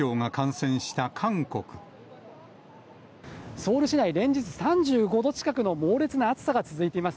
ソウル市内、連日３５度近くの猛烈な暑さが続いています。